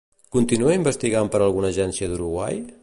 Continua investigant per alguna agència d'Uruguai?